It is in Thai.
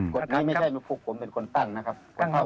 กฎนี้ไม่ใช่มีผู้ควรเป็นคนตั้งนะครับตั้งครับ